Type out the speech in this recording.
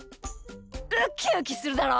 ウキウキするだろ？